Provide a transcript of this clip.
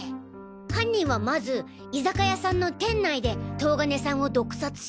犯人はまず居酒屋さんの店内で東金さんを毒殺し。